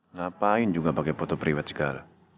ngapain juga pakai foto priwet segala